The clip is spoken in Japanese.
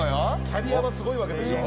「キャリアはすごいわけでしょ」